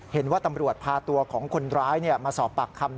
เห็นว่าตำรวจพาตัวของคนร้ายมาสอบปากคำ